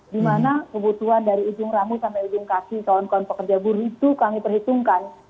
dimana kebutuhan dari ujung ramu sampai ujung kaki kawan kawan pekerja buruh itu kami perhitungkan